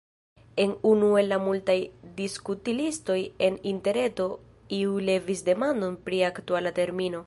En unu el la multaj diskutlistoj en interreto iu levis demandon pri aktuala termino.